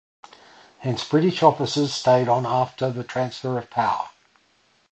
Hence British officers stayed on after the transfer of power.